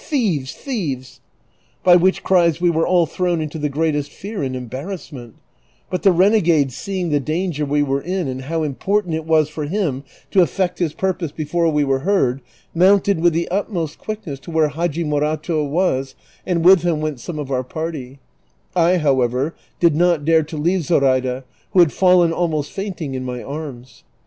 thieves, thieves !" by which cries we were all thrown into the greatest fear and embarrassment ; but the renegade seeing the danger we were in and how important it was for him to effect his purpose before we were heard, mounted with the utmost quickness to where Hadji Morato was, and with him went some of our party ; I, however, tlid not dare to leave Zoraida, who had fallen almost fainting in my arms.